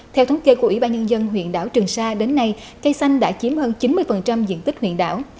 theo thống kê của ủy ban nhân dân huyện đảo trường sa đến nay cây xanh đã chiếm hơn chín mươi diện tích huyện đảo